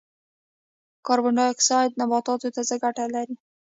کاربن ډای اکسایډ نباتاتو ته څه ګټه لري؟